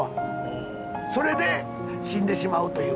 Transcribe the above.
それで死んでしまうという。